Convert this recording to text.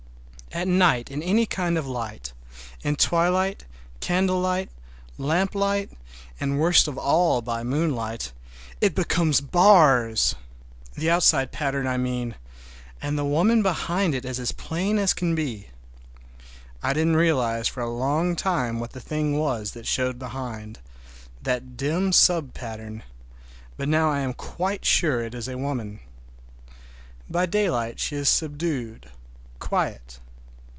At night in any kind of light, in twilight, candlelight, lamplight, and worst of all by moonlight, it becomes bars! The outside pattern I mean, and the woman behind it is as plain as can be. I didn't realize for a long time what the thing was that showed behind,—that dim sub pattern,—but now I am quite sure it is a woman. By daylight she is subdued, quiet.